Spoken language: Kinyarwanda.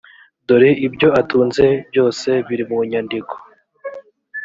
dore ibyo atunze byose biri munyandiko.